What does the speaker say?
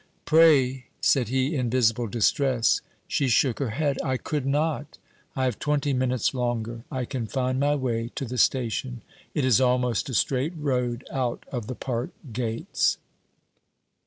'Pray...' said he, in visible distress. She shook her head. 'I could not. I have twenty minutes longer. I can find my way to the station; it is almost a straight road out of the park gates.'